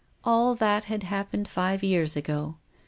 All that had happened five years ago.